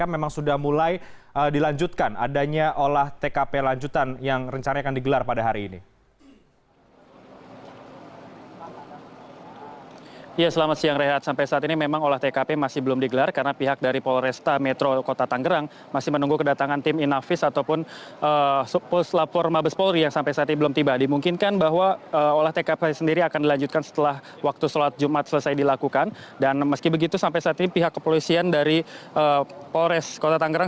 sebelum kebakaran terjadi dirinya mendengar suara ledakan dari tempat penyimpanan